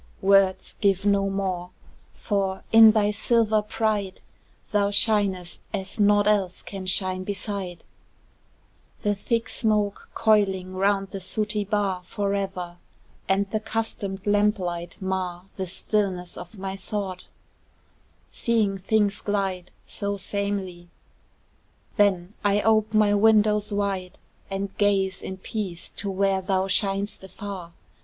Words give no more for, in thy silver pride, Thou shinest as naught else can shine beside: The thick smoke, coiling round the sooty bar Forever, and the customed lamp light mar The stillness of my thought seeing things glide So samely: then I ope my windows wide, And gaze in peace to where thou shin'st afar.